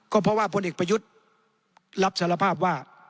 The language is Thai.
ก็เพราะว่าพลเอกประยุทธ์รับสารภาพว่า